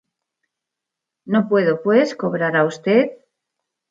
No puedo, pues, cobrar a Vd.